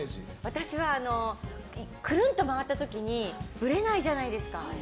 私は、くるんと回った時にぶれないじゃないですか。